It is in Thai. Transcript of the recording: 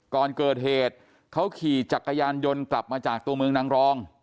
ก่อนเกิดเหตุเขาขี่จักรยานยนต์กลับมาจากตัวเมืองนางรอง